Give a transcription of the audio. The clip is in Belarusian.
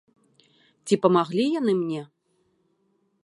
Ці памаглі яны мне?